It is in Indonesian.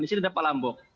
di sini ada pak lambok